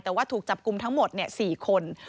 แต่ว่าถูกจับกลุ่มทั้งหมด๔คน